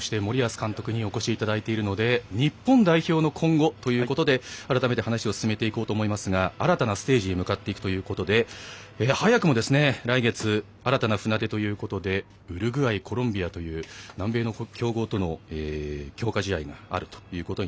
そして森保監督にお越しいただいているので日本代表の今後ということで改めて話を進めていこうと思いますが新たなステージへ向かっていくということで早くも来月新たな船出ということでウルグアイ、コロンビアという南米の強豪との強化試合があると。